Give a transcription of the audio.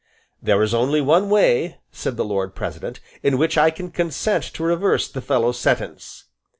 "There is only one way," said the Lord President, "in which I can consent to reverse the fellow's sentence.